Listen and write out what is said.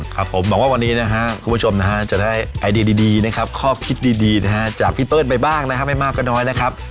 ครับผมหวังว่าวันนี้นะฮะคุณผู้ชมนะฮะจะได้ไอเดียดีนะครับข้อคิดดีนะฮะจากพี่เปิ้ลไปบ้างนะครับไม่มากก็น้อยนะครับ